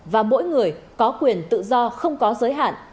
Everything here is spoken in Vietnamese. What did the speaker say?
và mỗi người có quyền tự do không có giới hạn